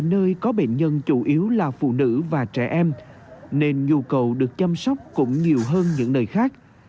nơi có bệnh nhân chủ yếu là phụ nữ và trẻ em nên nhu cầu được chăm sóc cũng nhiều hơn những nơi khác